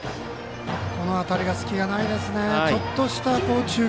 この辺りが隙がないですね。